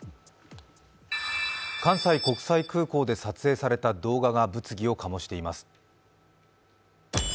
関西国際空港で撮影された動画が物議を醸しています。